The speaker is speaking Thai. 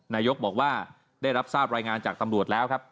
นายกบอกว่าได้รับทราบรายงานจากตำรวจแล้วครับ